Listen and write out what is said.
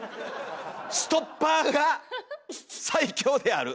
「ストッパーが最強である」。